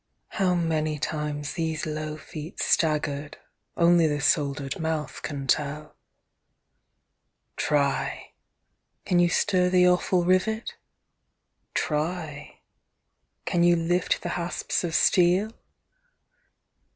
How many times these low feet staggered, Only the soldered mouth can tell; Try! can you stir the awful rivet? Try! can you lift the hasps of steel?